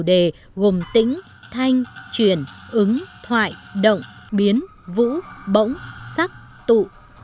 đề gồm tĩnh thanh chuyển ứng thoại động biến vũ bỗng sắc tụ